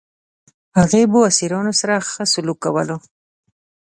هغه به اسیرانو سره ښه سلوک کاوه.